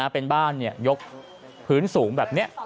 เป็นบ้านยกพื้นสูงแบบนี้